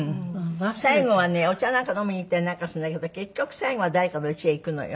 最後はねお茶なんか飲みに行ったりなんかするんだけど結局最後は誰かの家へ行くのよ。